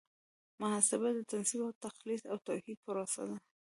محاسبه د تنصیف او تخلیص او توحید پروسه ده.